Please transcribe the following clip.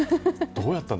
どうやったの。